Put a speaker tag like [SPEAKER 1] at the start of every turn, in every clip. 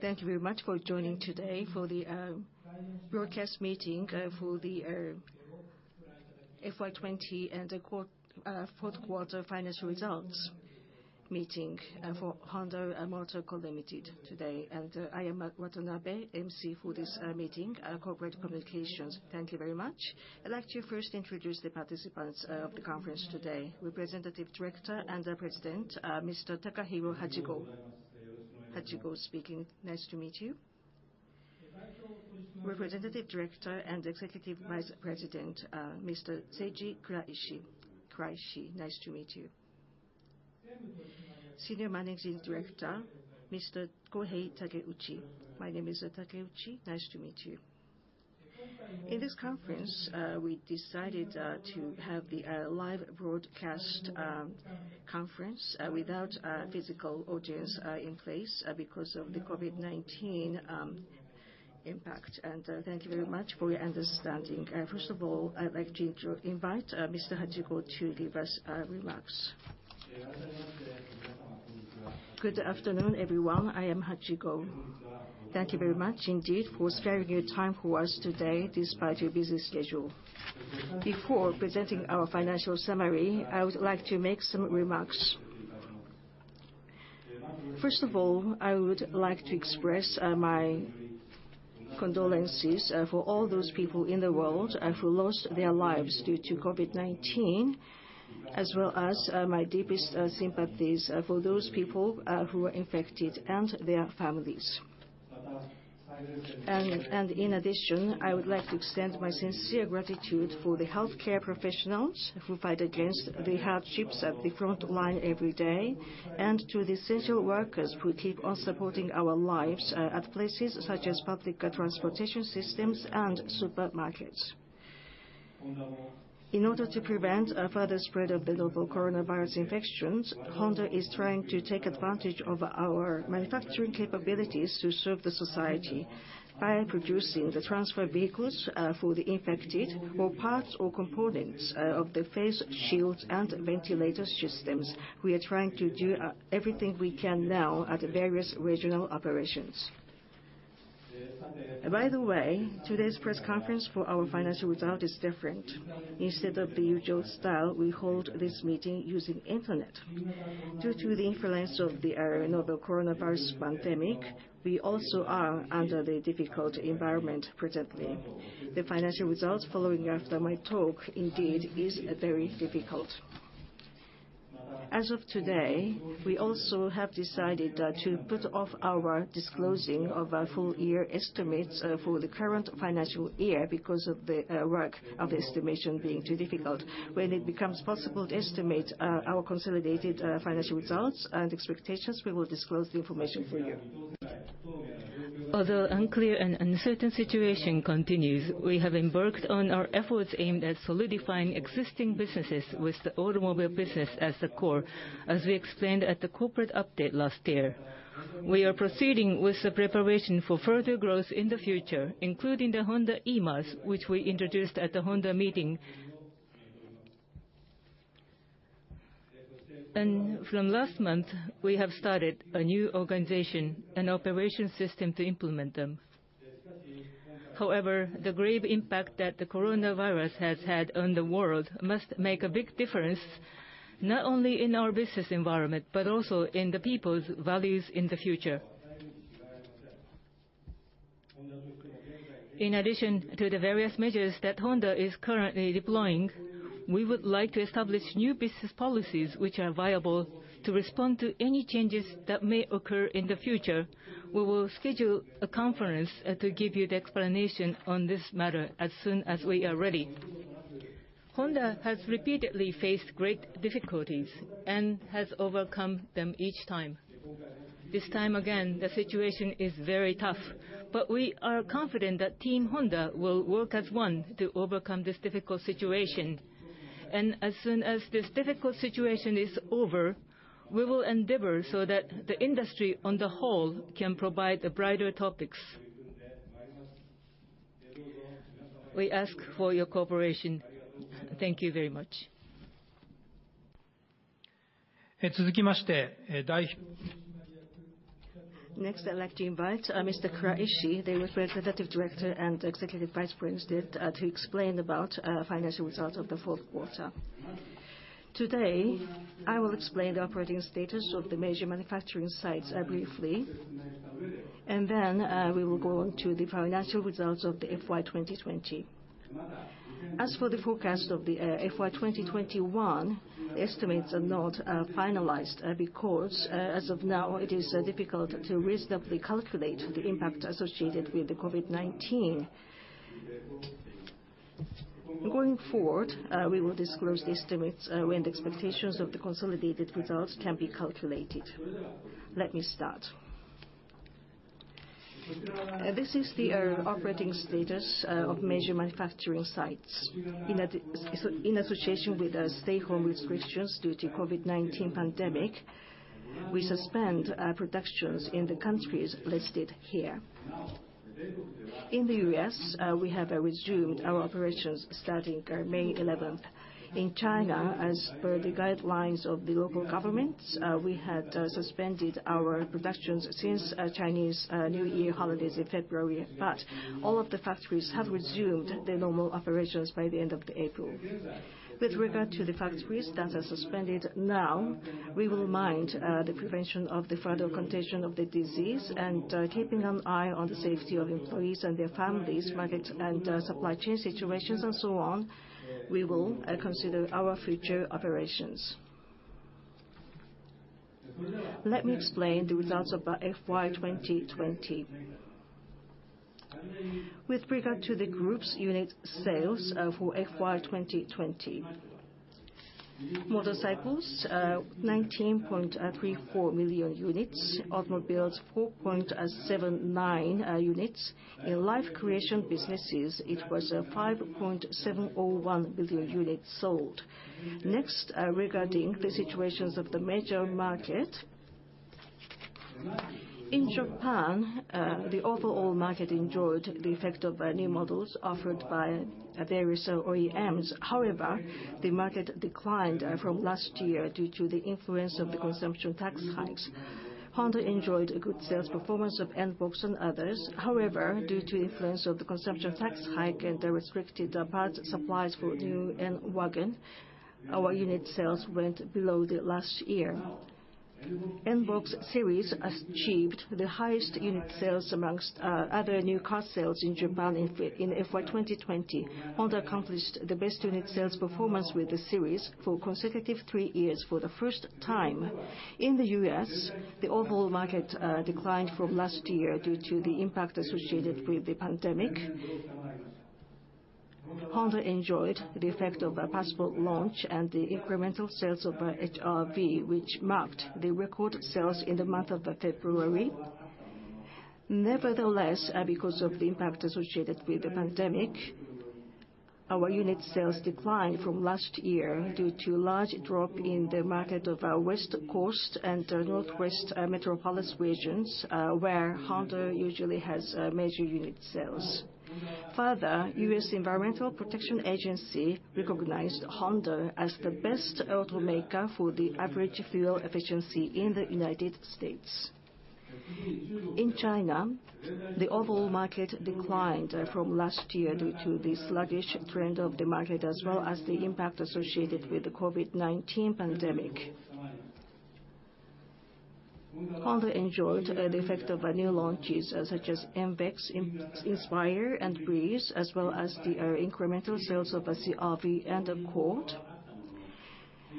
[SPEAKER 1] Thank you very much for joining today for the broadcast meeting for the FY20 and the fourth quarter financial results meeting for Honda Motor Co., Ltd. today. I am Matt Watanabe, MC for this meeting, corporate communications. Thank you very much. I'd like to first introduce the participants of the conference today: Representative Director and President, Mr. Takahiro Hachigo. Hachigo speaking. Nice to meet you. Representative Director and Executive Vice President, Mr. Seiji Kuraishi. Kuraishi, nice to meet you. Senior Managing Director Mr. Kohei Takeuchi.My name is Takeuchi. Nice to meet you. In this conference, we decided to have the live broadcast conference without a physical audience in place because of the COVID-19 impact. Thank you very much for your understanding. First of all, I'd like to invite Mr. Hachigo to give us remarks.
[SPEAKER 2] Good afternoon, everyone. I am Hachigo. Thank you very much indeed for sparing your time for us today despite your busy schedule. Before presenting our financial summary, I would like to make some remarks. First of all, I would like to express my condolences for all those people in the world who lost their lives due to COVID-19, as well as my deepest sympathies for those people who were infected and their families. In addition, I would like to extend my sincere gratitude for the healthcare professionals who fight against the hardships at the front line every day, and to the essential workers who keep on supporting our lives at places such as public transportation systems and supermarkets. In order to prevent further spread of the global coronavirus infections, Honda is trying to take advantage of our manufacturing capabilities to serve the society by producing the transfer vehicles for the infected or parts or components of the face shields and ventilator systems. We are trying to do everything we can now at various regional operations. By the way, today's press conference for our financial result is different. Instead of the usual style, we hold this meeting using the internet. Due to the influence of the global coronavirus pandemic, we also are under the difficult environment presently. The financial result following after my talk indeed is very difficult. As of today, we also have decided to put off our disclosing of our full-year estimates for the current financial year because of the work of the estimation being too difficult. When it becomes possible to estimate our consolidated financial results and expectations, we will disclose the information for you. Although unclear and uncertain situation continues, we have embarked on our efforts aimed at solidifying existing businesses with the automobile business as the core, as we explained at the corporate update last year. We are proceeding with the preparation for further growth in the future, including the Honda eMaaS, which we introduced at the Honda meeting. From last month, we have started a new organization and operation system to implement them. However, the grave impact that the coronavirus has had on the world must make a big difference not only in our business environment but also in the people's values in the future. In addition to the various measures that Honda is currently deploying, we would like to establish new business policies which are viable to respond to any changes that may occur in the future. We will schedule a conference to give you the explanation on this matter as soon as we are ready. Honda has repeatedly faced great difficulties and has overcome them each time. This time again, the situation is very tough, but we are confident that Team Honda will work as one to overcome this difficult situation. As soon as this difficult situation is over, we will endeavor so that the industry on the whole can provide brighter topics. We ask for your cooperation. Thank you very much.
[SPEAKER 3] 続きまして、代表。
[SPEAKER 1] Next, I'd like to invite Mr. Kuraishi, the Representative Director and Executive Vice President, to explain about the financial results of the fourth quarter.
[SPEAKER 4] Today, I will explain the operating status of the major manufacturing sites briefly, and then we will go on to the financial results of the FY2020. As for the forecast of the FY2021, the estimates are not finalized because, as of now, it is difficult to reasonably calculate the impact associated with the COVID-19. Going forward, we will disclose the estimates when the expectations of the consolidated results can be calculated. Let me start. This is the operating status of major manufacturing sites. In association with stay-home restrictions due to the COVID-19 pandemic, we suspended productions in the countries listed here. In the U.S., we have resumed our operations starting May 11th. In China, as per the guidelines of the local governments, we had suspended our productions since Chinese New Year holidays in February, but all of the factories have resumed their normal operations by the end of April. With regard to the factories that are suspended now, we will mind the prevention of the further contagion of the disease and keeping an eye on the safety of employees and their families, market and supply chain situations, and so on. We will consider our future operations. Let me explain the results of FY2020. With regard to the group's unit sales for FY2020, motorcycles: 19.34 million units, automobiles: 4.79 million units. In Life Creation businesses, it was 5.701 million units sold. Next, regarding the situations of the major market, in Japan, the overall market enjoyed the effect of new models offered by various OEMs. However, the market declined from last year due to the influence of the consumption tax hikes. Honda enjoyed a good sales performance of N-BOX and others. However, due to the influence of the consumption tax hike and the restricted parts supplies for new N-WGN, our unit sales went below the last year. N-BOX series achieved the highest unit sales amongst other new car sales in Japan in FY2020. Honda accomplished the best unit sales performance with the series for a consecutive three years for the first time. In the U.S., the overall market declined from last year due to the impact associated with the pandemic. Honda enjoyed the effect of a possible launch and the incremental sales of HR-V, which marked the record sales in the month of February. Nevertheless, because of the impact associated with the pandemic, our unit sales declined from last year due to a large drop in the market of the West Coast and Northwest Metropolis regions, where Honda usually has major unit sales. Further, the U.S. Environmental Protection Agency recognized Honda as the best automaker for the average fuel efficiency in the United States. In China, the overall market declined from last year due to the sluggish trend of the market, as well as the impact associated with the COVID-19 pandemic. Honda enjoyed the effect of new launches such as NWX, Inspire, and Breeze, as well as the incremental sales of CR-V and Accord.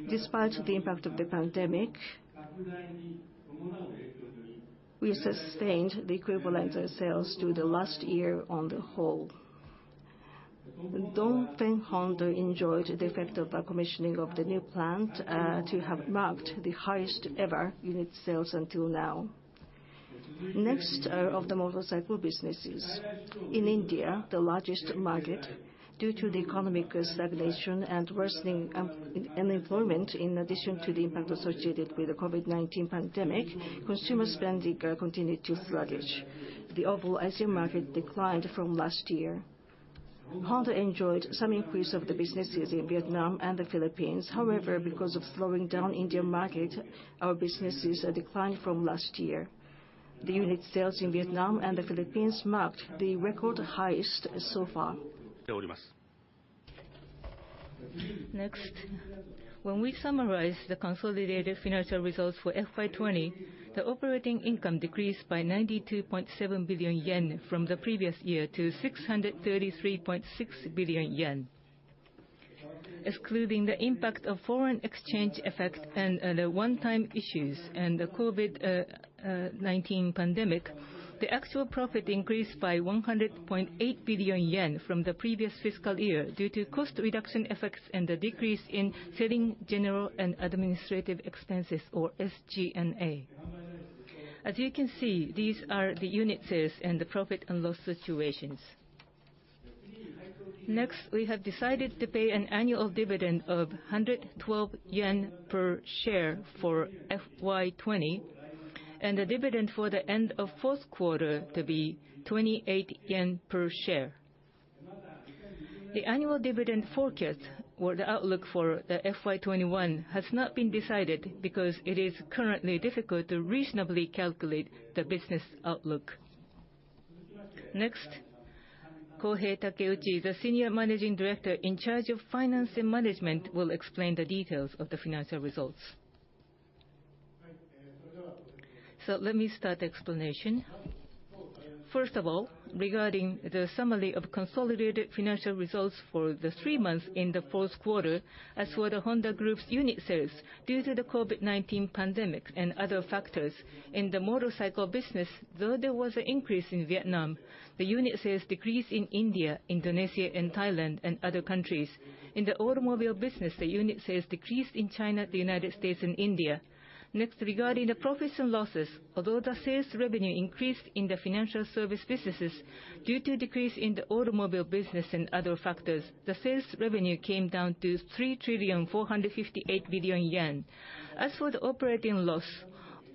[SPEAKER 4] Despite the impact of the pandemic, we sustained the equivalent sales to the last year on the whole. Dongfeng Honda enjoyed the effect of the commissioning of the new plant to have marked the highest-ever unit sales until now. Next, of the motorcycle businesses, in India, the largest market, due to the economic stagnation and worsening unemployment in addition to the impact associated with the COVID-19 pandemic, consumer spending continued to be sluggish. The overall IC market declined from last year. Honda enjoyed some increase of the businesses in Vietnam and the Philippines. However, because of slowing down in their market, our businesses declined from last year. The unit sales in Vietnam and the Philippines marked the record highest so far. Next, when we summarize the consolidated financial results for FY2020, the operating income decreased by 92.7 billion yen from the previous year to 633.6 billion yen. Excluding the impact of foreign exchange effect and the one-time issues and the COVID-19 pandemic, the actual profit increased by 100.8 billion yen from the previous fiscal year due to cost reduction effects and the decrease in selling general and administrative expenses, or SG&A. As you can see, these are the unit sales and the profit and loss situations. Next, we have decided to pay an annual dividend of 112 yen per share for FY2020 and a dividend for the end of fourth quarter to be 28 yen per share. The annual dividend forecast, or the outlook for FY2021, has not been decided because it is currently difficult to reasonably calculate the business outlook. Next, Kohei Takeuchi, the Senior Managing Director in charge of Finance and Management, will explain the details of the financial results.
[SPEAKER 5] Let me start the explanation. First of all, regarding the summary of consolidated financial results for the three months in the fourth quarter, as for the Honda Group's unit sales due to the COVID-19 pandemic and other factors, in the motorcycle business, though there was an increase in Vietnam, the unit sales decreased in India, Indonesia, and Thailand and other countries. In the automobile business, the unit sales decreased in China, the United States, and India. Next, regarding the profits and losses, although the sales revenue increased in the financial service businesses due to a decrease in the automobile business and other factors, the sales revenue came down to 3 trillion yen 458 billion. As for the operating loss,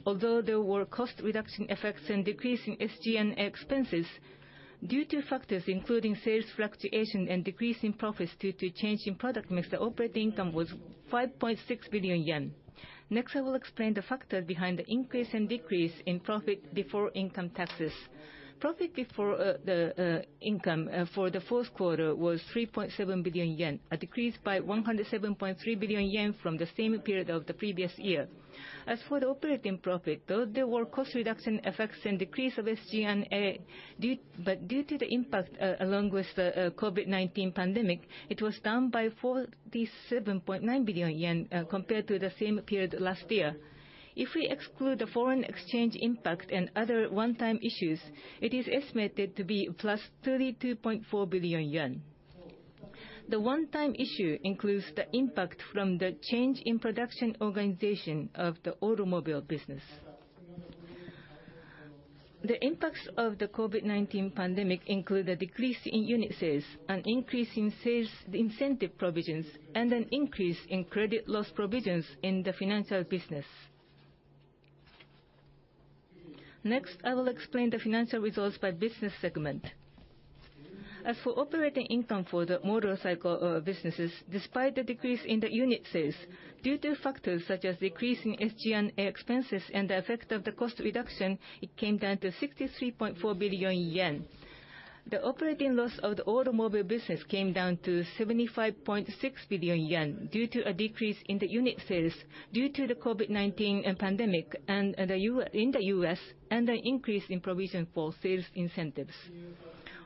[SPEAKER 5] although there were cost reduction effects and decrease in SG&A expenses, due to factors including sales fluctuation and decrease in profits due to change in product mix, the operating income was 5.6 billion yen. Next, I will explain the factors behind the increase and decrease in profit before income taxes. Profit before the income for the fourth quarter was 3.7 billion yen, a decrease by 107.3 billion yen from the same period of the previous year. As for the operating profit, though there were cost reduction effects and decrease of SG&A, but due to the impact along with the COVID-19 pandemic, it was down by 47.9 billion yen compared to the same period last year. If we exclude the foreign exchange impact and other one-time issues, it is estimated to be plus 32.4 billion yen. The one-time issue includes the impact from the change in production organization of the automobile business. The impacts of the COVID-19 pandemic include a decrease in unit sales, an increase in sales incentive provisions, and an increase in credit loss provisions in the financial business. Next, I will explain the financial results by business segment. As for operating income for the motorcycle businesses, despite the decrease in the unit sales, due to factors such as decreasing SG&A expenses and the effect of the cost reduction, it came down to 63.4 billion yen. The operating loss of the automobile business came down to 75.6 billion yen due to a decrease in the unit sales due to the COVID-19 pandemic in the U.S. and an increase in provision for sales incentives.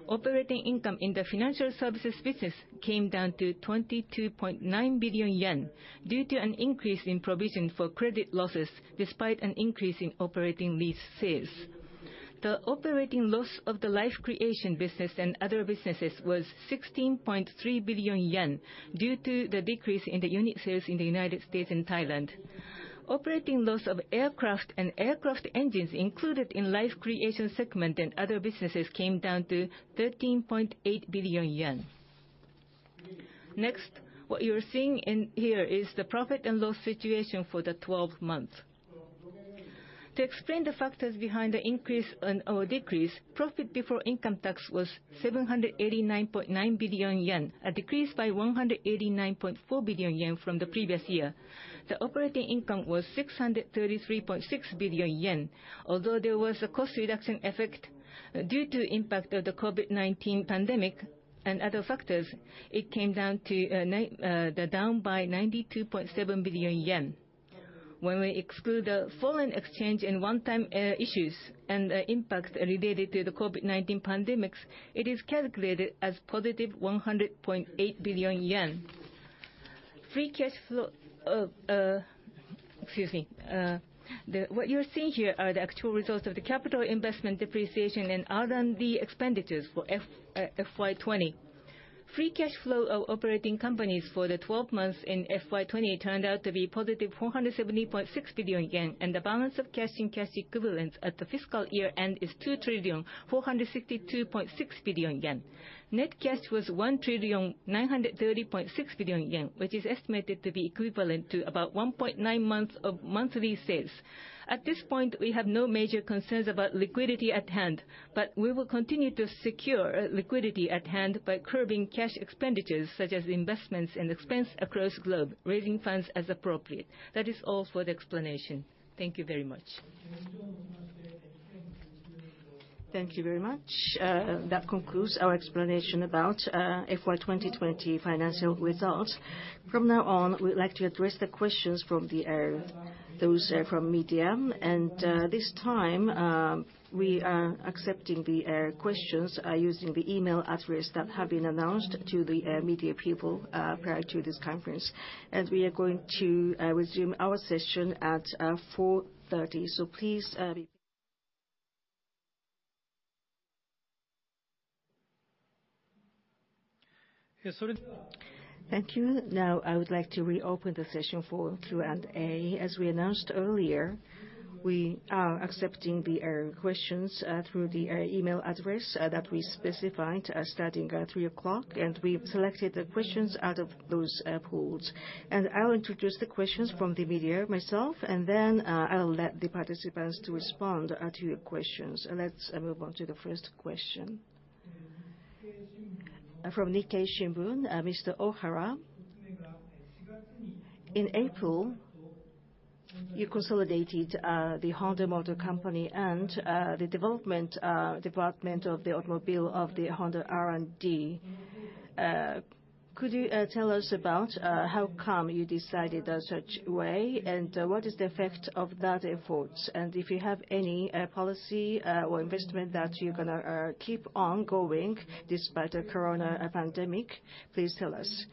[SPEAKER 5] Operating income in the financial services business came down to 22.9 billion yen due to an increase in provision for credit losses despite an increase in operating lease sales. The operating loss of the Life Creation business and other businesses was 16.3 billion yen due to the decrease in the unit sales in the United States and Thailand. Operating loss of aircraft and aircraft engines included in Life Creation segment and other businesses came down to 13.8 billion yen. Next, what you are seeing here is the profit and loss situation for the 12 months. To explain the factors behind the increase or decrease, profit before income tax was 789.9 billion yen, a decrease by 189.4 billion yen from the previous year. The operating income was 633.6 billion yen. Although there was a cost reduction effect due to the impact of the COVID-19 pandemic and other factors, it came down to the down by 92.7 billion yen. When we exclude the foreign exchange and one-time issues and the impact related to the COVID-19 pandemic, it is calculated as positive 100.8 billion yen. Free cash flow of, excuse me, what you're seeing here are the actual results of the capital investment depreciation and R&D expenditures for FY2020. Free cash flow of operating companies for the 12 months in FY2020 turned out to be positive 470.6 billion yen, and the balance of cash and cash equivalents at the fiscal year end is 2 trillion 462.6 billion. Net cash was 1 trillion 930.6 billion, which is estimated to be equivalent to about 1.9 months of monthly sales. At this point, we have no major concerns about liquidity at hand, but we will continue to secure liquidity at hand by curbing cash expenditures such as investments and expense across the globe, raising funds as appropriate. That is all for the explanation. Thank you very much.
[SPEAKER 1] Thank you very much. That concludes our explanation about FY2020 financial results. From now on, we'd like to address the questions from those from media, and this time we are accepting the questions using the email address that has been announced to the media people prior to this conference. We are going to resume our session at 4:30, so please. Thank you. Now, I would like to reopen the session for Q&A. As we announced earlier, we are accepting the questions through the email address that we specified starting at 3:00, and we've selected the questions out of those pools. I'll introduce the questions from the media myself, and then I'll let the participants respond to your questions. Let's move on to the first question. From Nikkei Shimbun, Mr. Ohara, in April, you consolidated the Honda Motor Co. and the development department of the automobile of the Honda R&D. Could you tell us about how come you decided such a way, and what is the effect of that effort? If you have any policy or investment that you're going to keep on going despite the corona pandemic, please tell us.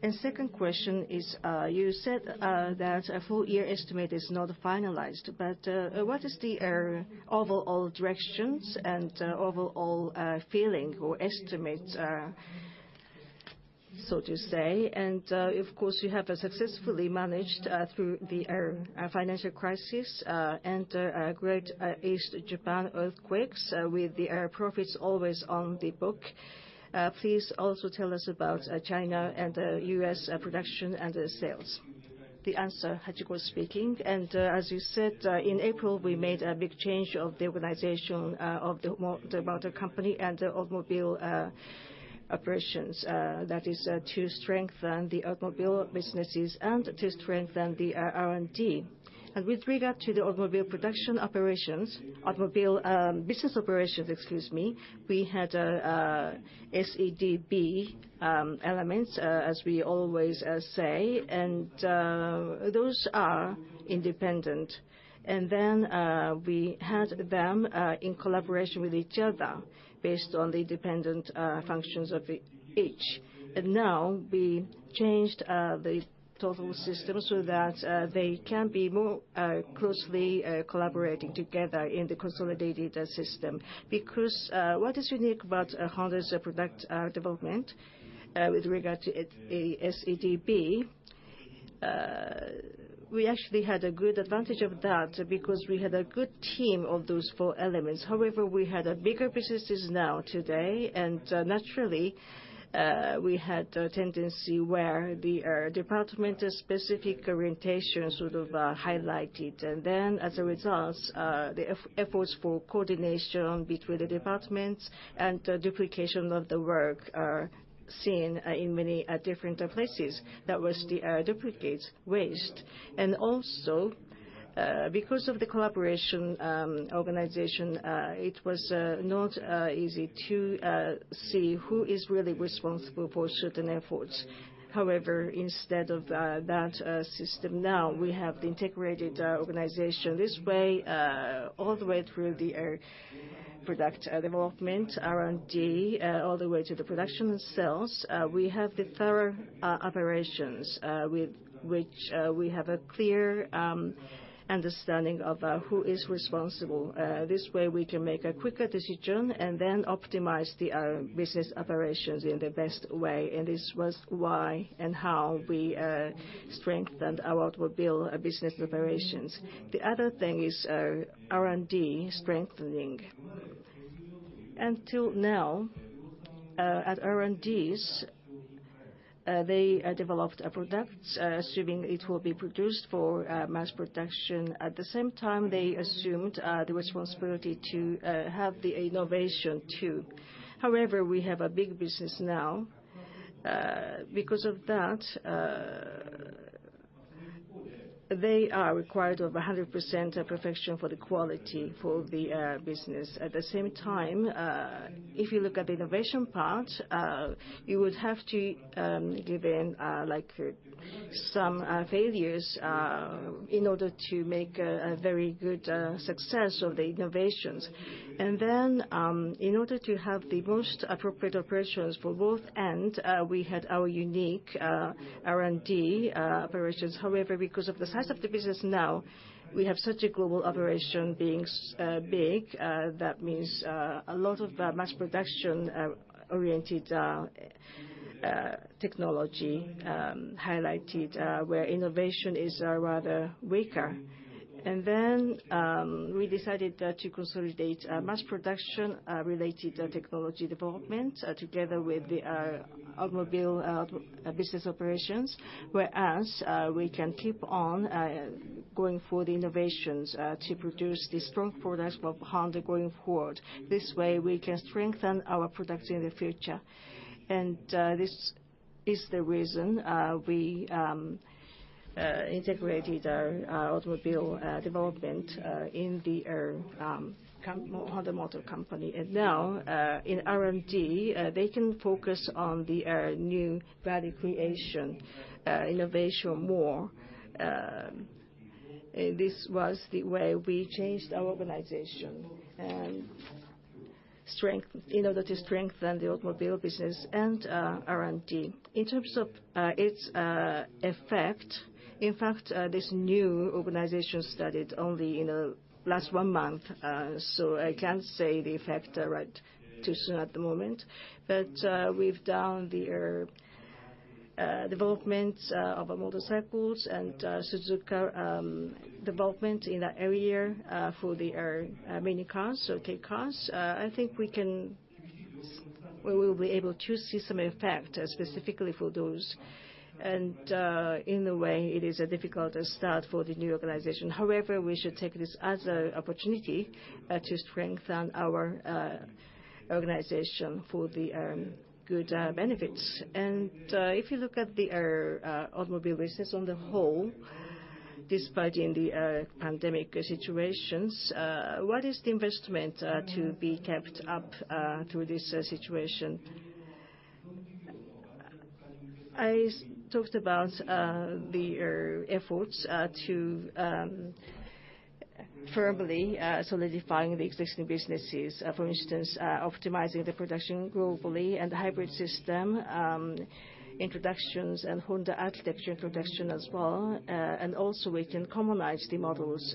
[SPEAKER 1] The second question is, you said that a full year estimate is not finalized, but what is the overall directions and overall feeling or estimate, so to say? You have successfully managed through the financial crisis and Great East Japan earthquakes with the profits always on the book. Please also tell us about China and the U.S. production and sales.
[SPEAKER 2] The answer, Hachigo speaking. As you said, in April, we made a big change of the organization of the motor company and the automobile operations. That is to strengthen the automobile businesses and to strengthen the R&D. With regard to the automobile production operations, automobile business operations, excuse me, we had SEDB elements, as we always say, and those are independent. We had them in collaboration with each other based on the independent functions of each. Now we changed the total system so that they can be more closely collaborating together in the consolidated system. What is unique about Honda's product development with regard to SEDB, we actually had a good advantage of that because we had a good team of those four elements. However, we had bigger businesses now today, and naturally, we had a tendency where the department-specific orientation sort of highlighted. As a result, the efforts for coordination between the departments and duplication of the work are seen in many different places. That was the duplicate waste. Also, because of the collaboration organization, it was not easy to see who is really responsible for certain efforts. However, instead of that system now, we have the integrated organization this way, all the way through the product development, R&D, all the way to the production sales. We have the thorough operations with which we have a clear understanding of who is responsible. This way, we can make a quicker decision and then optimize the business operations in the best way. This was why and how we strengthened our automobile business operations. The other thing is R&D strengthening. Until now, at R&Ds, they developed a product assuming it will be produced for mass production. At the same time, they assumed the responsibility to have the innovation too. However, we have a big business now. Because of that, they are required of 100% perfection for the quality for the business. At the same time, if you look at the innovation part, you would have to give in some failures in order to make a very good success of the innovations. In order to have the most appropriate operations for both ends, we had our unique R&D operations. However, because of the size of the business now, we have such a global operation being big, that means a lot of mass production-oriented technology highlighted where innovation is rather weaker. We decided to consolidate mass production-related technology development together with the automobile business operations, whereas we can keep on going for the innovations to produce the strong products for Honda going forward. This way, we can strengthen our products in the future. This is the reason we integrated our automobile development in Honda Motor Company. Now, in R&D, they can focus on the new value creation innovation more. This was the way we changed our organization in order to strengthen the automobile business and R&D. In terms of its effect, in fact, this new organization started only in the last one month, so I can't say the effect right too soon at the moment. We have done the development of motorcycles and Suzuka development in the area for the mini cars, so Kei cars. I think we will be able to see some effect specifically for those. In a way, it is a difficult start for the new organization. However, we should take this as an opportunity to strengthen our organization for the good benefits. If you look at the automobile business on the whole, despite the pandemic situations, what is the investment to be kept up through this situation? I talked about the efforts to firmly solidify the existing businesses. For instance, optimizing the production globally and the hybrid system introductions and Honda architecture introduction as well. We can harmonize the models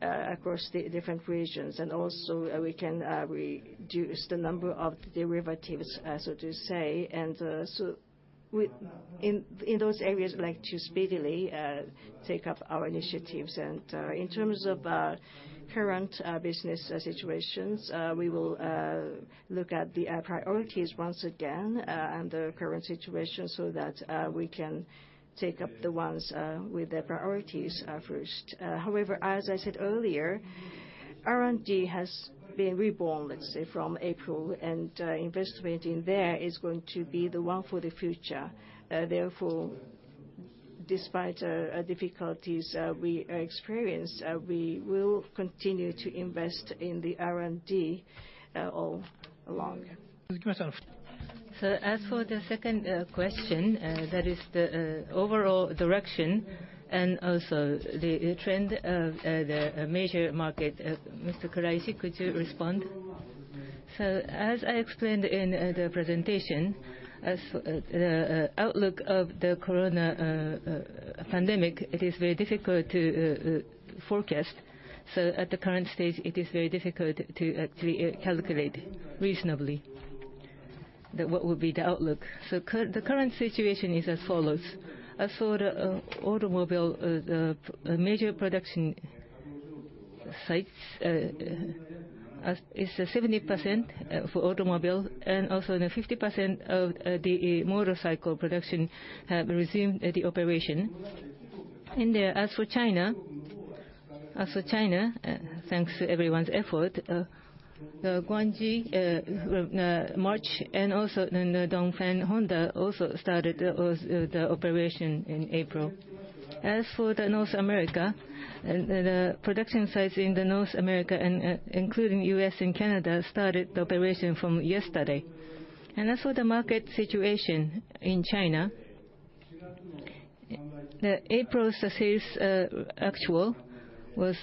[SPEAKER 2] across the different regions. We can reduce the number of derivatives, so to say. In those areas, we'd like to speedily take up our initiatives. In terms of current business situations, we will look at the priorities once again and the current situation so that we can take up the ones with the priorities first. However, as I said earlier, R&D has been reborn, let's say, from April, and investment in there is going to be the one for the future. Therefore, despite the difficulties we experience, we will continue to invest in the R&D all along. As for the second question, that is the overall direction and also the trend of the major market, Mr. Kuraishi, could you respond?
[SPEAKER 4] As I explained in the presentation, the outlook of the corona pandemic, it is very difficult to forecast. At the current stage, it is very difficult to actually calculate reasonably what will be the outlook. The current situation is as follows. As for the automobile, the major production sites is 70% for automobile, and also 50% of the motorcycle production have resumed the operation. As for China, thanks to everyone's effort, Guangqi, March, and also Dongfeng Honda also started the operation in April. As for North America, the production sites in North America, including the U.S. and Canada, started the operation from yesterday. As for the market situation in China, the April sales actual was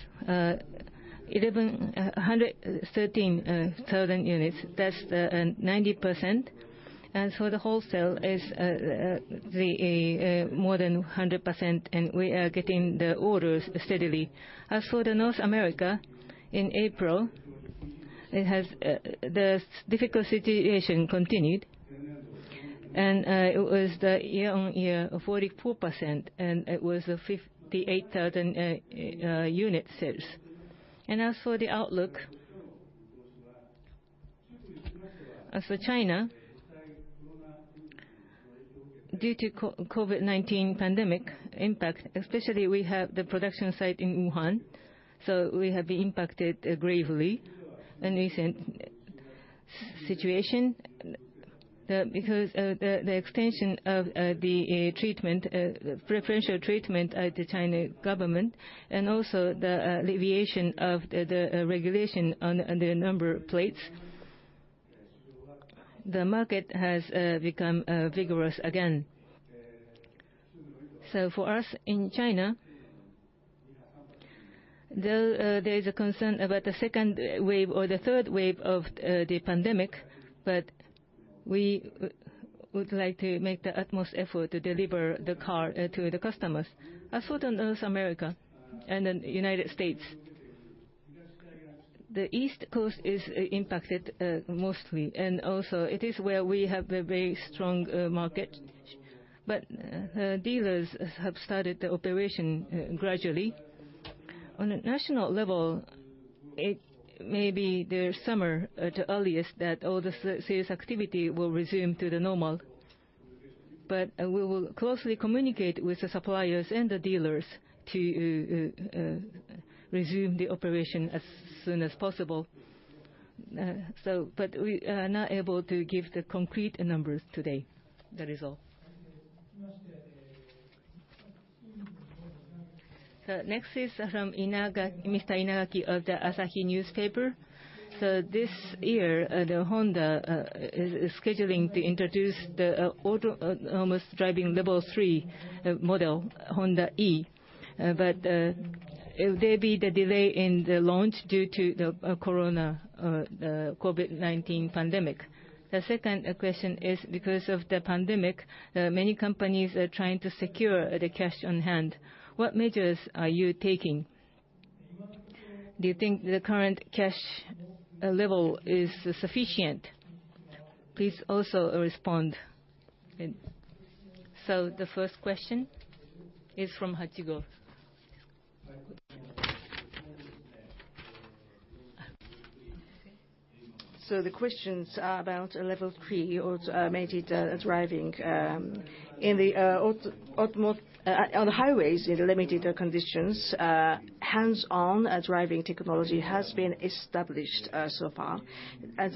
[SPEAKER 4] 113,000 units. That's 90%. For the wholesale, it's more than 100%, and we are getting the orders steadily. As for North America, in April, the difficult situation continued, and it was year on year, 44%, and it was 58,000 unit sales. As for the outlook, as for China, due to the COVID-19 pandemic impact, especially we have the production site in Wuhan, so we have been impacted gravely in recent situation because of the extension of the preferential treatment at the China government and also the alleviation of the regulation on the number of plates. The market has become vigorous again. For us in China, there is a concern about the second wave or the third wave of the pandemic, but we would like to make the utmost effort to deliver the car to the customers. As for North America and the United States, the East Coast is impacted mostly, and also it is where we have a very strong market. Dealers have started the operation gradually. On a national level, it may be this summer at the earliest that all the sales activity will resume to normal. We will closely communicate with the suppliers and the dealers to resume the operation as soon as possible. We are not able to give the concrete numbers today. That is all.
[SPEAKER 1] Next is from Mr. Inagaki of the Asahi Newspaper. This year, Honda is scheduling to introduce the autonomous driving Level 3 model, Honda e. There will be a delay in the launch due to the COVID-19 pandemic. The second question is, because of the pandemic, many companies are trying to secure the cash on hand. What measures are you taking? Do you think the current cash level is sufficient? Please also respond. The first question is from Hachigo.
[SPEAKER 2] The questions are about level 3 or limited driving. On the highways, in limited conditions, hands-on driving technology has been established so far. As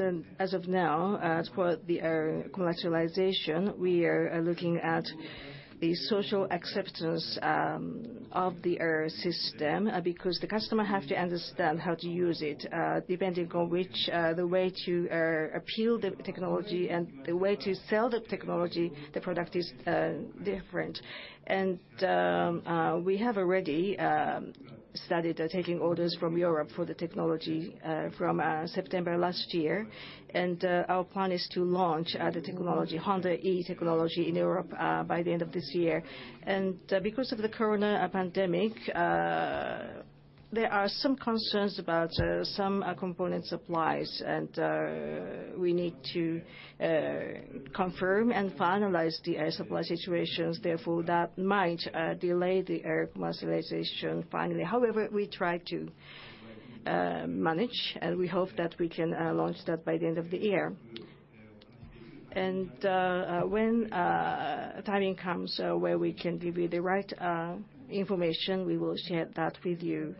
[SPEAKER 2] of now, as for the commercialization, we are looking at the social acceptance of the system because the customer has to understand how to use it. Depending on the way to appeal the technology and the way to sell the technology, the product is different. We have already started taking orders from Europe for the technology from September last year. Our plan is to launch the Honda e technology in Europe by the end of this year. Because of the corona pandemic, there are some concerns about some component supplies, and we need to confirm and finalize the supply situations. Therefore, that might delay the commercialization finally. However, we try to manage, and we hope that we can launch that by the end of the year. When the timing comes where we can give you the right information, we will share that with you.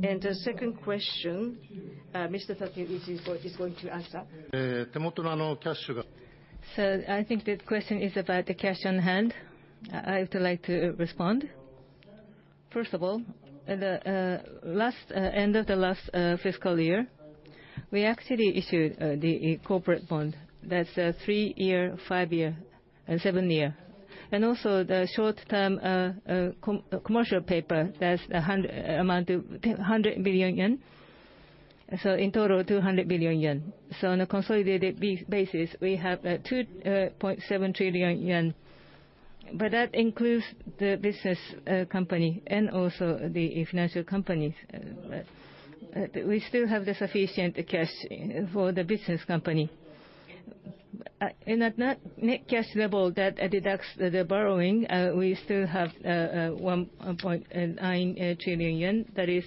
[SPEAKER 2] The second question, Mr. Takei is going to answer.
[SPEAKER 5] 手元のキャッシュ。
[SPEAKER 1] I think the question is about the cash on hand. I would like to respond. First of all, at the end of the last fiscal year, we actually issued the corporate bond. That is a three-year, five-year, and seven-year. Also the short-term commercial paper, that is the amount of 100 billion yen. In total, 200 billion yen. On a consolidated basis, we have 2.7 trillion yen. That includes the business company and also the financial company. We still have sufficient cash for the business company. At the net cash level that deducts the borrowing, we still have 1.9 trillion yen. That is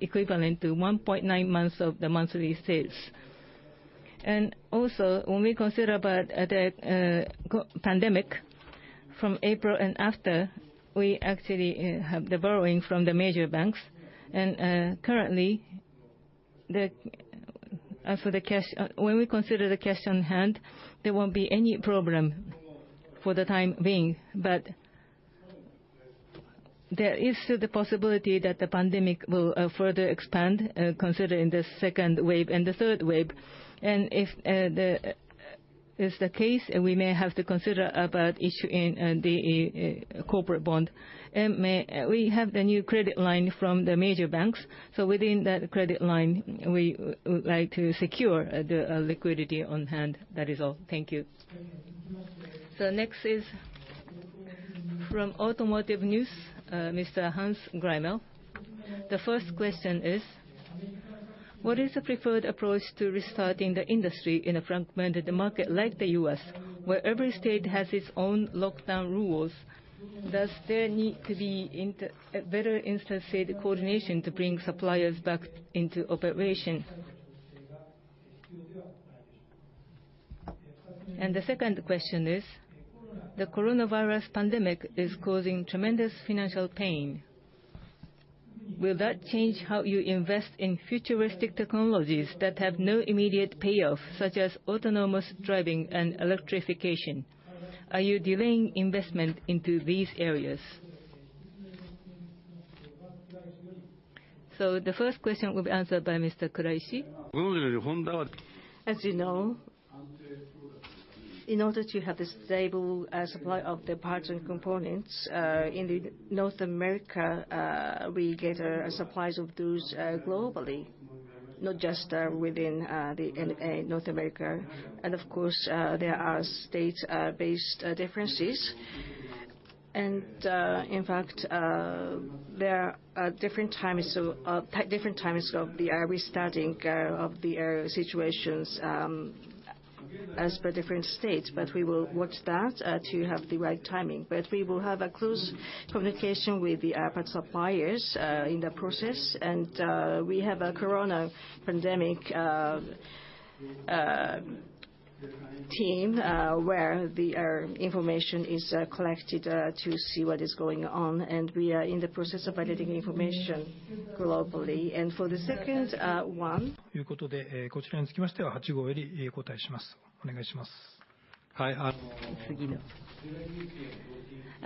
[SPEAKER 1] equivalent to 1.9 months of the monthly sales. Also, when we consider the pandemic from April and after, we actually have the borrowing from the major banks. Currently, as for the cash, when we consider the cash on hand, there will not be any problem for the time being. There is still the possibility that the pandemic will further expand, considering the second wave and the third wave. If it is the case, we may have to consider issuing the corporate bond. We have the new credit line from the major banks. Within that credit line, we would like to secure the liquidity on hand. That is all. Thank you. Next is from Automotive News, Mr. Hans Greimel. The first question is, what is the preferred approach to restarting the industry in a fragmented market like the U.S., where every state has its own lockdown rules? Does there need to be better instance-based coordination to bring suppliers back into operation? The second question is, the coronavirus pandemic is causing tremendous financial pain. Will that change how you invest in futuristic technologies that have no immediate payoff, such as autonomous driving and electrification? Are you delaying investment into these areas? The first question will be answered by Mr. Kuraishi.
[SPEAKER 4] グローバルにホンダは。
[SPEAKER 1] As you know, in order to have a stable supply of the parts and components, in North America, we get supplies of those globally, not just within North America. Of course, there are state-based differences. In fact, there are different times of the restarting of the situations as per different states. We will watch that to have the right timing. We will have close communication with the parts suppliers in the process. We have a corona pandemic team where the information is collected to see what is going on. We are in the process of validating information globally. For the second one.
[SPEAKER 4] ということで、こちらにつきましてはハチ公よりお答えします。お願いします。次の。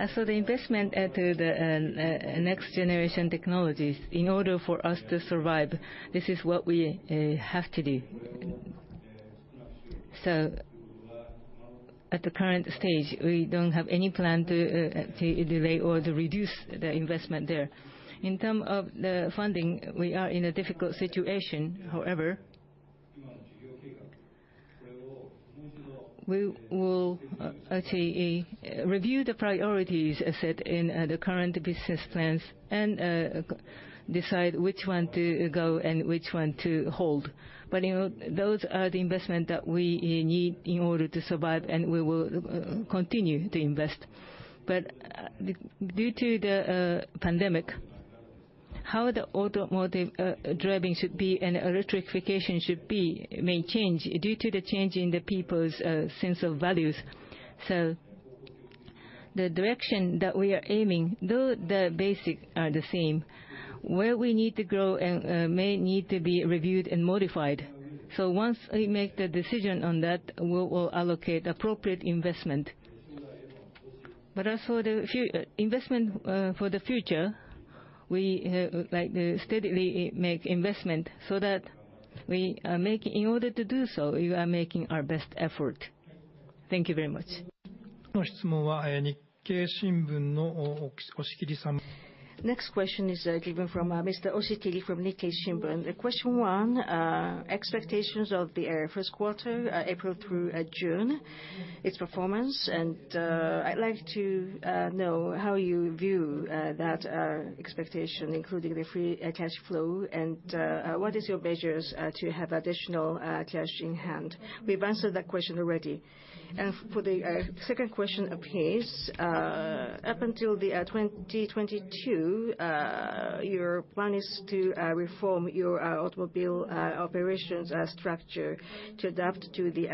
[SPEAKER 1] The investment at the next generation technologies, in order for us to survive, this is what we have to do. At the current stage, we do not have any plan to delay or to reduce the investment there. In terms of the funding, we are in a difficult situation. However, we will review the priorities set in the current business plans and decide which one to go and which one to hold. Those are the investments that we need in order to survive, and we will continue to invest. Due to the pandemic, how the automotive driving should be and electrification should be may change due to the change in the people's sense of values. The direction that we are aiming, though the basics are the same, where we need to grow may need to be reviewed and modified. Once we make the decision on that, we will allocate appropriate investment. As for the investment for the future, we steadily make investment so that we are making, in order to do so, we are making our best effort. Thank you very much.
[SPEAKER 4] の質問は日経新聞のオシキリさん。
[SPEAKER 1] Next question is given from Mr. Oshikiri from Nikkei Shimbun. Question one, expectations of the first quarter, April through June, its performance. I'd like to know how you view that expectation, including the free cash flow, and what are your measures to have additional cash in hand. We've answered that question already. For the second question, please. Up until 2022, your plan is to reform your automobile operations structure to adapt to the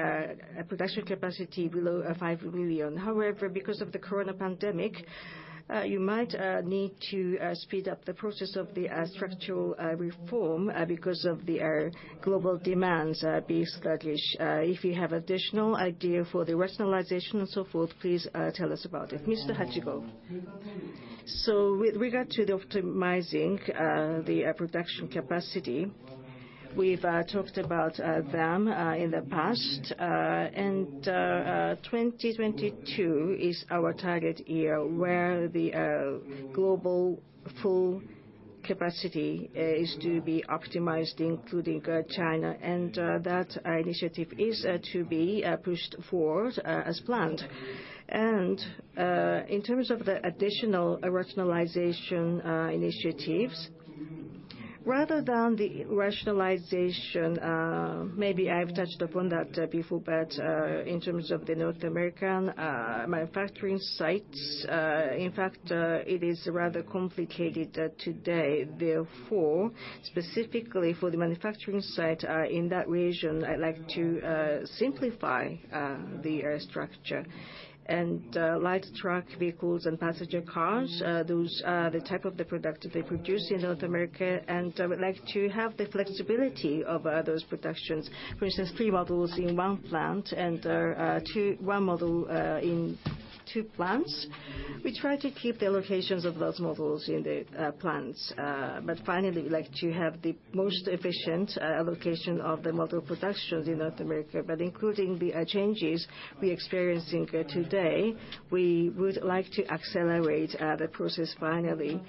[SPEAKER 1] production capacity below 5 million. However, because of the corona pandemic, you might need to speed up the process of the structural reform because of the global demands being sluggish. If you have additional ideas for the rationalization and so forth, please tell us about it. Mr. Hachigo.
[SPEAKER 2] With regard to optimizing the production capacity, we've talked about them in the past. 2022 is our target year where the global full capacity is to be optimized, including China. That initiative is to be pushed forward as planned. In terms of the additional rationalization initiatives, rather than the rationalization, maybe I've touched upon that before, but in terms of the North American manufacturing sites, in fact, it is rather complicated today. Therefore, specifically for the manufacturing site in that region, I'd like to simplify the structure. Light truck vehicles and passenger cars, those are the type of product they produce in North America. I would like to have the flexibility of those productions, for instance, three models in one plant and one model in two plants. We try to keep the allocations of those models in the plants. Finally, we would like to have the most efficient allocation of the model production in North America. Including the changes we are experiencing today, we would like to accelerate the process finally.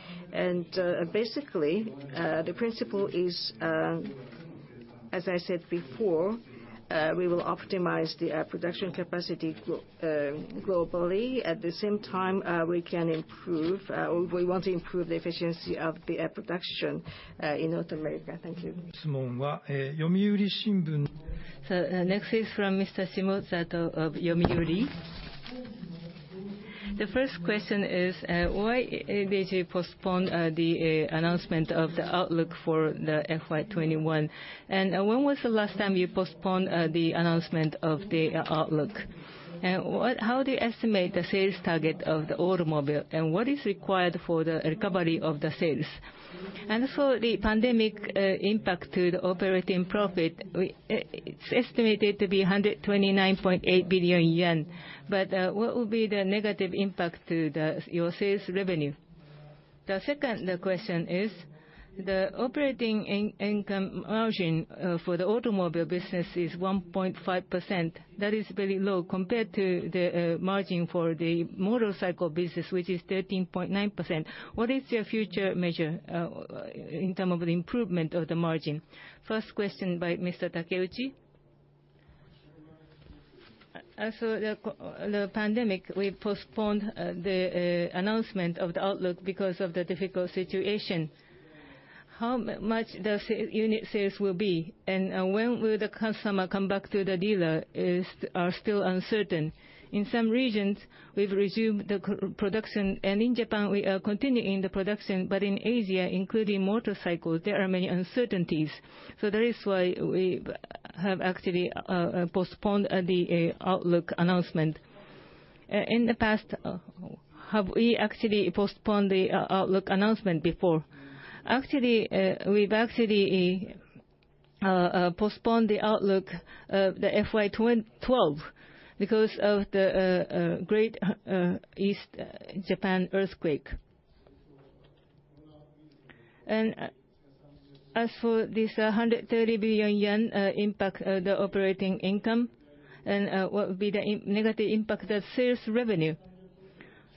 [SPEAKER 2] Basically, the principle is, as I said before, we will optimize the production capacity globally. At the same time, we can improve, or we want to improve, the efficiency of the production in North America. Thank you.
[SPEAKER 3] 質問は読売新聞。
[SPEAKER 1] Next is from Shimo Zato from Yomiuri. The first question is, why did you postpone the announcement of the Outlook for the FY2021? When was the last time you postponed the announcement of the Outlook? How do you estimate the sales target of the automobile? What is required for the recovery of the sales? For the pandemic impact to the operating profit, it is estimated to be 129.8 billion yen. What will be the negative impact to your sales revenue? The second question is, the operating margin for the automobile business is 1.5%. That is very low compared to the margin for the motorcycle business, which is 13.9%. What is your future measure in terms of the improvement of the margin? First question by Mr. Takeuchi.
[SPEAKER 5] The pandemic, we postponed the announcement of the outlook because of the difficult situation. How much the unit sales will be? When will the customer come back to the dealer? It is still uncertain. In some regions, we have resumed the production. In Japan, we are continuing the production. In Asia, including motorcycles, there are many uncertainties. That is why we have actually postponed the Outlook announcement. In the past, have we actually postponed the Outlook announcement before? We have actually postponed the Outlook, the FY2012, because of the Great East Japan Earthquake. As for this 130 billion yen impact of the operating income, and what will be the negative impact of sales revenue?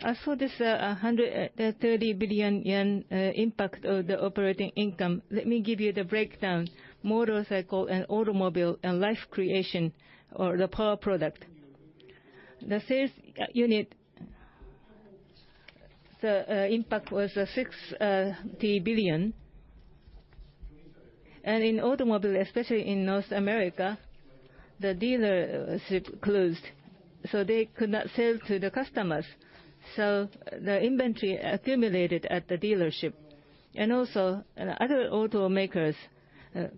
[SPEAKER 5] As for this 130 billion yen impact of the operating income, let me give you the breakdown: motorcycle and automobile and Life Creation or the Power Product. The sales unit, the impact was 60 billion. In automobile, especially in North America, the dealership closed. They could not sell to the customers. The inventory accumulated at the dealership. Also, other automakers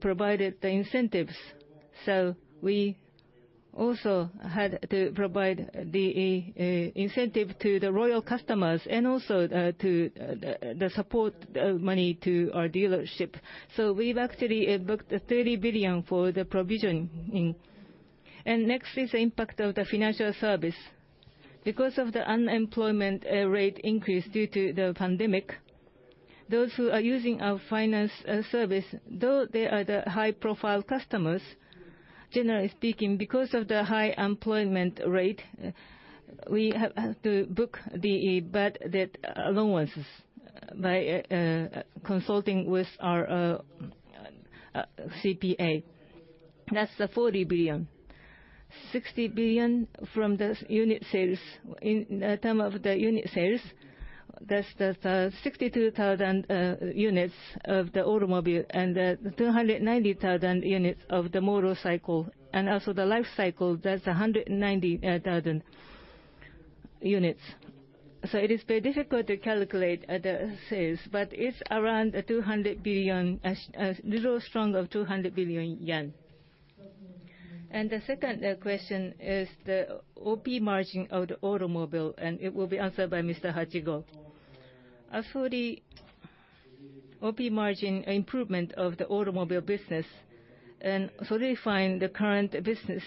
[SPEAKER 5] provided the incentives. We also had to provide the incentive to the loyal customers and also to support the money to our dealership. We've actually booked 30 billion for the provisioning. Next is the impact of the financial service. Because of the unemployment rate increase due to the pandemic, those who are using our finance service, though they are the high-profile customers, generally speaking, because of the high unemployment rate, we have to book the bad debt allowances by consulting with our CPA. That's 40 billion. 60 billion from the unit sales. In terms of the unit sales, that's 62,000 units of the automobile and 290,000 units of the motorcycle. Also the life cycle, that's 190,000 units. It is very difficult to calculate the sales, but it's around JPY 200 billion, a little strong of 200 billion yen.
[SPEAKER 1] The second question is the OP margin of the automobile, and it will be answered by Mr. Hachigo.
[SPEAKER 2] As for the OP margin improvement of the automobile business and solidifying the current business,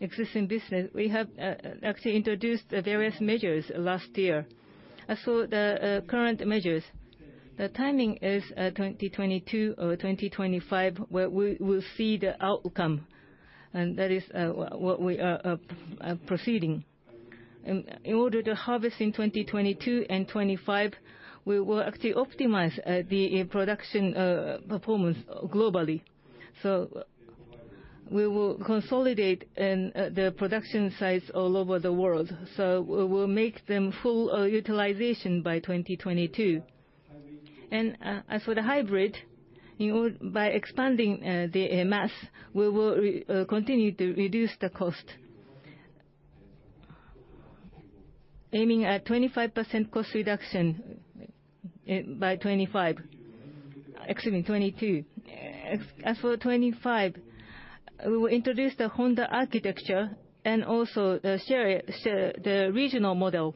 [SPEAKER 2] existing business, we have actually introduced various measures last year. As for the current measures, the timing is 2022 or 2025, where we will see the outcome. That is what we are proceeding. In order to harvest in 2022 and 2025, we will actually optimize the production performance globally. We will consolidate the production sites all over the world. We will make them full utilization by 2022. As for the hybrid, by expanding the mass, we will continue to reduce the cost, aiming at 25% cost reduction by 2025. Excuse me, 2022. As for 2025, we will introduce the Honda architecture and also share the regional model.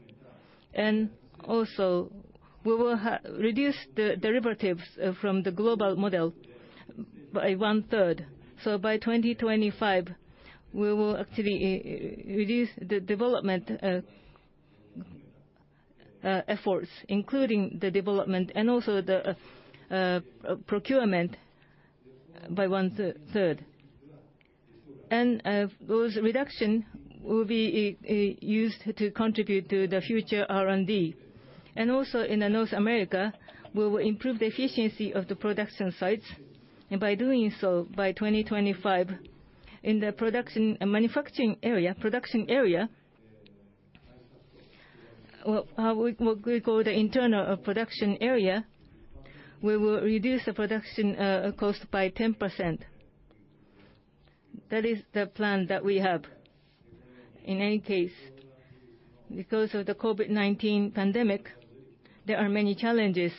[SPEAKER 2] We will reduce the derivatives from the global model by one-third. By 2025, we will actually reduce the development efforts, including the development and also the procurement, by one-third. Those reductions will be used to contribute to the future R&D. In North America, we will improve the efficiency of the production sites. By doing so, by 2025, in the production and manufacturing area, production area, what we call the internal production area, we will reduce the production cost by 10%. That is the plan that we have. In any case, because of the COVID-19 pandemic, there are many challenges.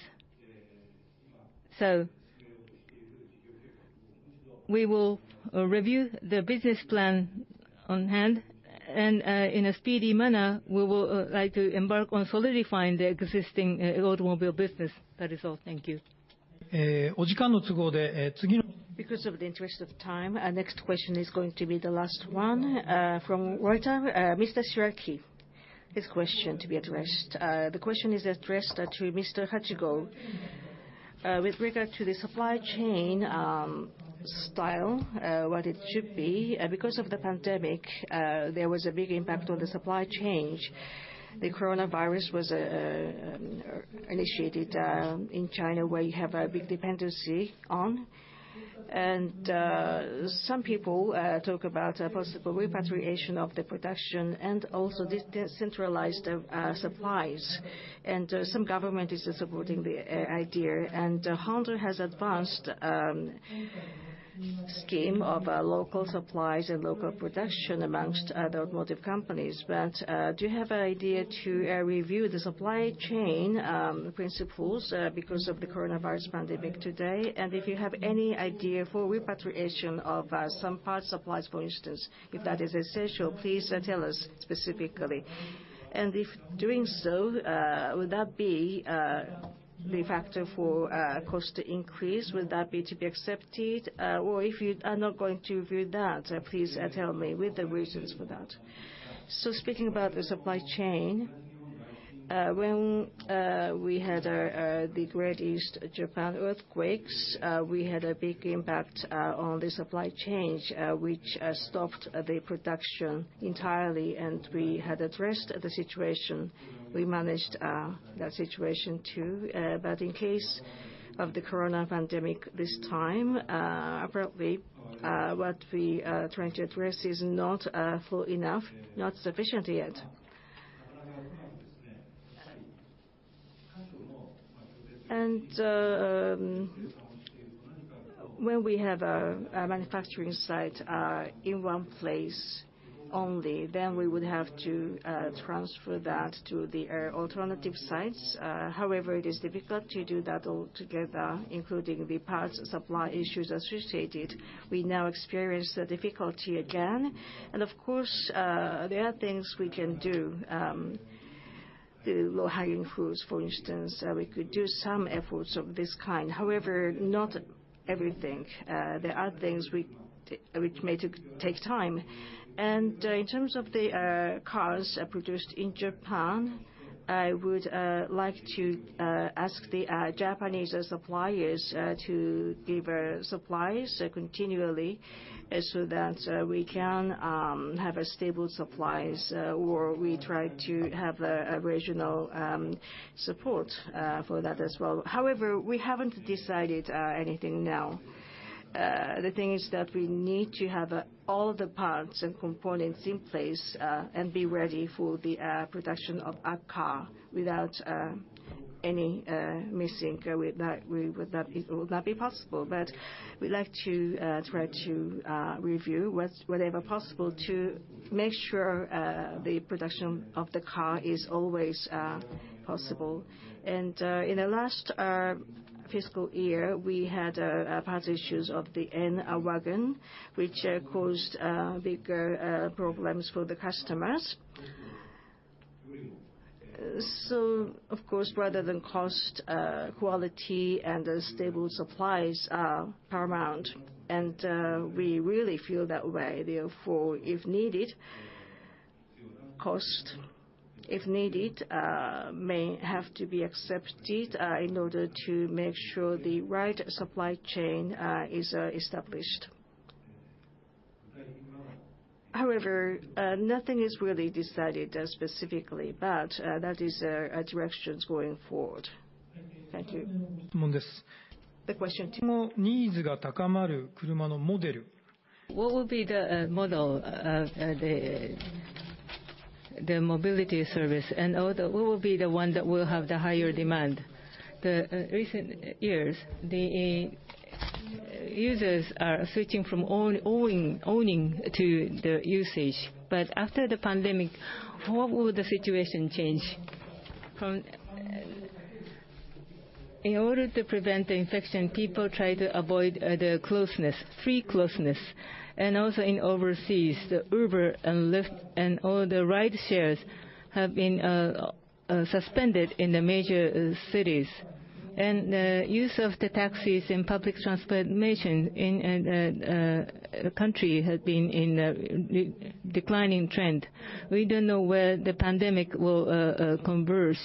[SPEAKER 2] We will review the business plan on hand. In a speedy manner, we would like to embark on solidifying the existing automobile business. That is all. Thank you.
[SPEAKER 3] お時間の都合で、次の。
[SPEAKER 1] Because of the interest of time, our next question is going to be the last one from Japan Times. Mr. Shiraki, his question to be addressed. The question is addressed to Mr. Hachigo. With regard to the supply chain style, what it should be, because of the pandemic, there was a big impact on the supply chain. The coronavirus was initiated in China, where you have a big dependency on. Some people talk about a possible repatriation of the production and also decentralized supplies. Some government is supporting the idea. Honda has advanced the scheme of local supplies and local production amongst the automotive companies. Do you have an idea to review the supply chain principles because of the coronavirus pandemic today? If you have any idea for repatriation of some parts supplies, for instance, if that is essential, please tell us specifically. If doing so, would that be the factor for cost increase? Would that be to be accepted? If you are not going to review that, please tell me with the reasons for that. Speaking about the supply chain, when we had the Great East Japan Earthquakes, we had a big impact on the supply chain, which stopped the production entirely. We had addressed the situation. We managed that situation too. In case of the corona pandemic this time, apparently, what we are trying to address is not full enough, not sufficient yet. When we have a manufacturing site in one place only, then we would have to transfer that to the alternative sites. However, it is difficult to do that altogether, including the parts supply issues associated. We now experience the difficulty again. Of course, there are things we can do. The low-hanging fruits, for instance, we could do some efforts of this kind. However, not everything. There are things which may take time. In terms of the cars produced in Japan, I would like to ask the Japanese suppliers to deliver supplies continually so that we can have stable supplies or we try to have a regional support for that as well. However, we have not decided anything now. The thing is that we need to have all the parts and components in place and be ready for the production of a car without any missing. It would not be possible. We would like to try to review whatever possible to make sure the production of the car is always possible. In the last fiscal year, we had parts issues of the N-WGN, which caused bigger problems for the customers. Of course, rather than cost, quality and stable supplies are paramount. We really feel that way. Therefore, if needed, cost may have to be accepted in order to make sure the right supply chain is established. However, nothing is really decided specifically, but that is a direction going forward. Thank you. The question. What will be the model of the mobility service? And what will be the one that will have the higher demand? In recent years, the users are switching from owning to the usage. After the pandemic, how will the situation change? In order to prevent the infection, people try to avoid the closeness, free closeness. Also, in overseas, Uber and Lyft and all the ride shares have been suspended in the major cities. The use of the taxis and public transportation in the country has been in a declining trend. We do not know where the pandemic will converge.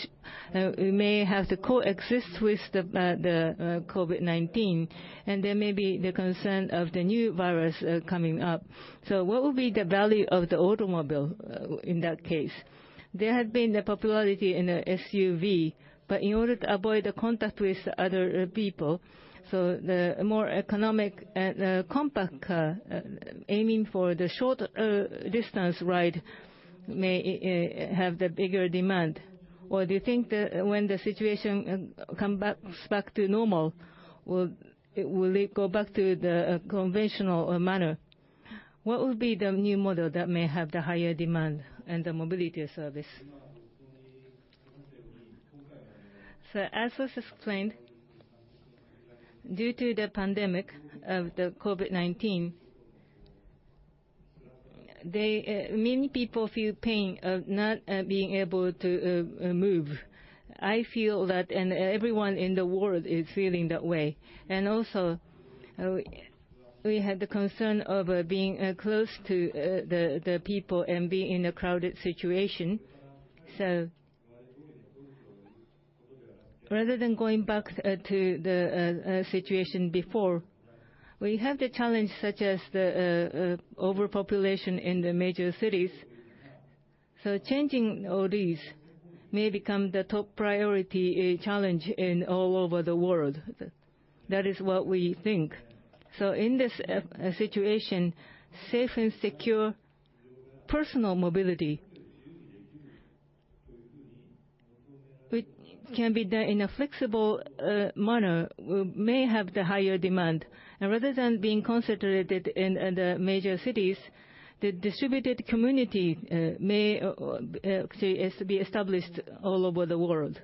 [SPEAKER 1] We may have to coexist with COVID-19, and there may be the concern of the new virus coming up. What will be the value of the automobile in that case? There has been the popularity in the SUV, but in order to avoid the contact with other people, the more economic and compact car, aiming for the short distance ride, may have the bigger demand. Do you think that when the situation comes back to normal, it will go back to the conventional manner? What will be the new model that may have the higher demand and the mobility service? As was explained, due to the pandemic of COVID-19, many people feel pain of not being able to move. I feel that, and everyone in the world is feeling that way. Also, we had the concern of being close to the people and being in a crowded situation. Rather than going back to the situation before, we have the challenge such as the overpopulation in the major cities. Changing all these may become the top priority challenge all over the world. That is what we think. In this situation, safe and secure personal mobility can be done in a flexible manner. We may have the higher demand. Rather than being concentrated in the major cities, the distributed community may actually be established all over the world.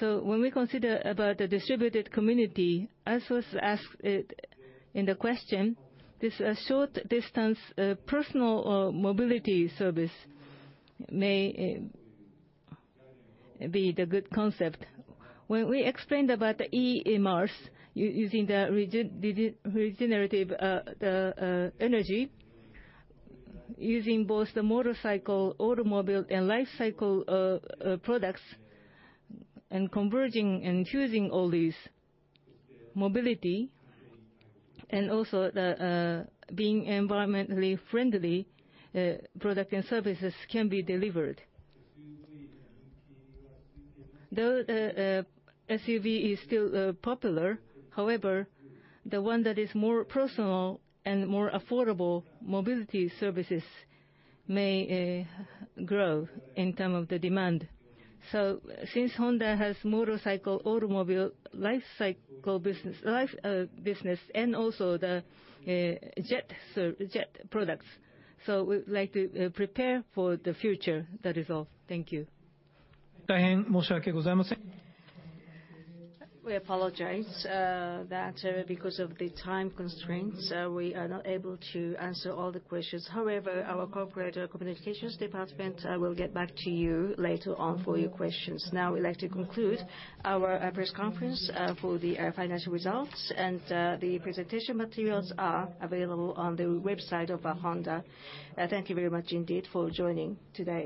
[SPEAKER 1] When we consider the distributed community, as was asked in the question, this short-distance personal mobility service may be a good concept. When we explained about the EMRs using regenerative energy, using both the motorcycle, automobile, and life cycle products, and converging and fusing all these, mobility, and also being environmentally friendly, products and services can be delivered. Though the SUV is still popular, the one that is more personal and more affordable mobility services may grow in terms of demand. Since Honda has motorcycle, automobile, life cycle business, and also the jet products, we'd like to prepare for the future. That is all. Thank you.
[SPEAKER 3] 大変申し訳ございません。
[SPEAKER 1] We apologize that because of the time constraints, we are not able to answer all the questions. However, our corporate communications department will get back to you later on for your questions. Now, we'd like to conclude our press conference for the financial results. The presentation materials are available on the website of Honda. Thank you very much indeed for joining today.